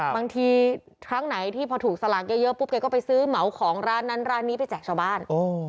บางทีครั้งไหนที่พอถูกสลากเยอะปุ๊บแกก็ไปซื้อเหมาของร้านนั้นร้านนี้ไปแจกชาวบ้าน